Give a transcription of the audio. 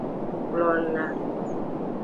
Kplola.